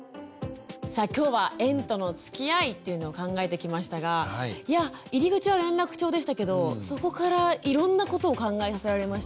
さあ今日は「園とのつきあい」というのを考えてきましたがいや入り口は連絡帳でしたけどそこからいろんなことを考えさせられましたね。